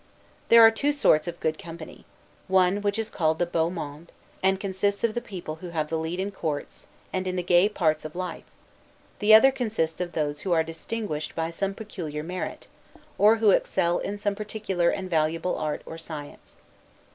There are two sorts of good company; one, which is called the beau monde, and consists of the people who have the lead in courts, and in the gay parts of life; the other consists of those who are distinguished by some peculiar merit, or who excel in some particular and valuable art or science.